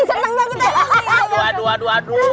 aduh aduh aduh